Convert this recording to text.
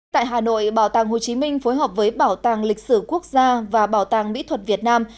tại hà nội bảo tàng hồ chí minh phối hợp với bảo tàng lịch sử quốc gia và bảo tàng mỹ thuật việt nam